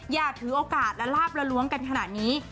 อย่าถือโอกาสและลาบละล้วงกันขนาดนี้